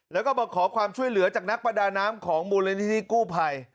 แล้วก็มาขอความช่วยเหลือจากนักประดาน้ำของมูลนิธิกู้ภัย